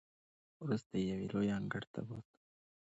وروسته یې یوې لویې انګړ ته بوتللو.